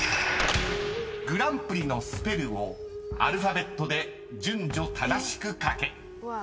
［グランプリのスペルをアルファベットで順序正しく書け］